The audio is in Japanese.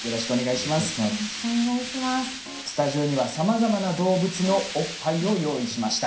スタジオにはさまざまな動物のおっぱいを用意しました。